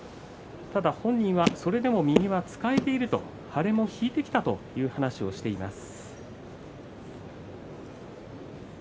ただ本人はそれでも右は使えていると、腫れも引いてきたという話をしています。